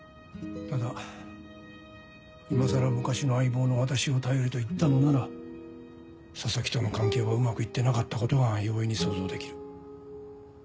ただ今更昔の相棒の私を頼れと言ったのなら佐々木との関係はうまく行ってなかったことが容易に想像できる。